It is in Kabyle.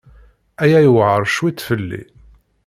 Aya yewɛeṛ cwiṭ fell-i.